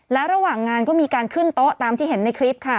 และระหว่างงานก็มีการขึ้นโต๊ะตามที่เห็นในคลิปค่ะ